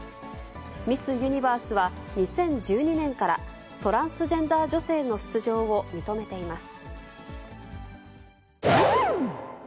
ミス・ユニバースは２０１２年から、トランスジェンダー女性の出場を認めています。